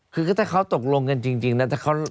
คือก็ถ้าเขาตกลงกันจริงนะ